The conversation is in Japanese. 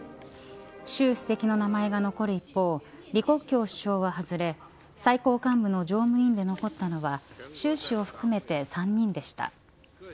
習主席の名前が残る一方李克強首相は外れ、最高幹部の常務委員で残ったのは習首席を含めて３人でした。